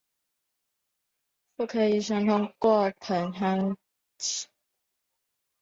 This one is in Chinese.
妇科医生通过盆腔检查可以观察到纳博特囊肿的存在。